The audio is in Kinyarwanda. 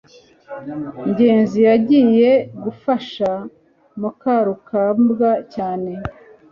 ngenzi yagiye gufasha mukarugambwa cyane